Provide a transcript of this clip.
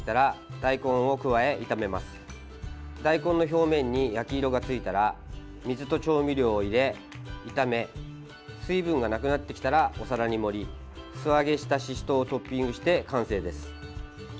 大根の表面に焼き色が付いたら水と調味料を入れ炒め水分がなくなってきたらお皿に盛り素揚げした、ししとうをトッピングして完成です。